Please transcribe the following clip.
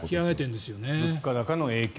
物価高の影響。